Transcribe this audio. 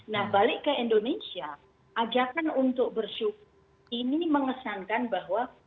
nah balik ke indonesia ajakan untuk bersyukur ini mengesankan bahwa